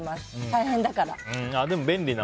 大変だから。